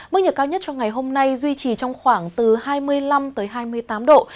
mức nhiệt cao nhất cho ngày hôm nay duy trì trong khoảng từ hai mươi năm hai mươi tám độ